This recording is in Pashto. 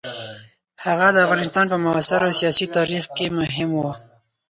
هغه د افغانستان په معاصر سیاسي تاریخ کې مهم وو.